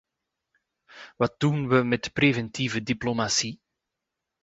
Wat doen wij met de preventieve diplomatie?